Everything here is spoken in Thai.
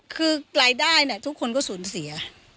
คือรายได้ทุกคนก็สูญเสีย